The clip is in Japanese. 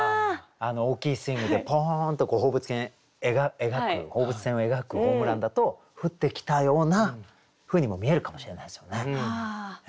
大きいスイングでポーンっと放物線描く放物線を描くホームランだと降ってきたようなふうにも見えるかもしれないですよね。